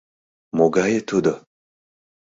Могае тудо?